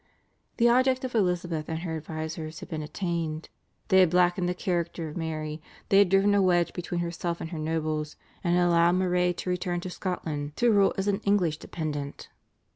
The object of Elizabeth and her advisers had been attained. They had blackened the character of Mary; they had driven a wedge between herself and her nobles, and had allowed Moray to return to Scotland to rule as an English dependent.